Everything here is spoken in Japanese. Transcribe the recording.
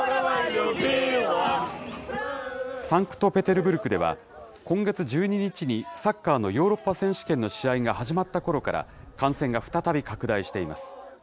サンクトペテルブルクでは、今月１２日にサッカーのヨーロッパ選手権の試合が始まったころから、感染が再び拡大しています。